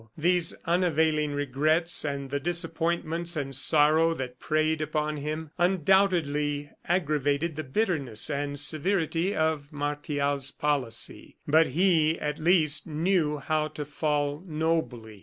These unavailing regrets, and the disappointments and sorrow that preyed upon him, undoubtedly aggravated the bitterness and severity of Martial's policy. But he, at least, knew how to fall nobly.